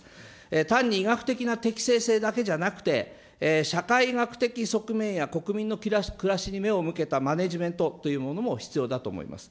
単に医学的な適正性だけじゃなくて、社会学的側面や国民の暮らしに目を向けたマネジメントというものも必要だと思います。